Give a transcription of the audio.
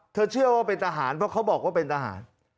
เชื่อว่าเป็นทหารเพราะเขาบอกว่าเป็นทหาร